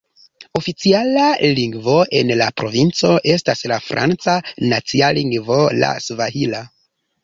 Oficiala lingvo en la provinco estas la franca, nacia lingvo la svahila.